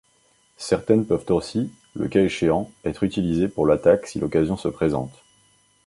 Certaines peuvent aussi, le cas échéant, être utilisées pour l’attaque si l’occasion se présente.